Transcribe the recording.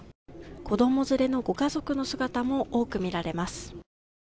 子ども連れのご家族の姿も多く見られます。